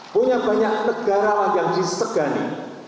punya banyak negara lagi yang disegani